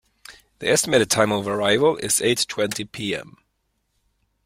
The estimated time of arrival is eight twenty pm.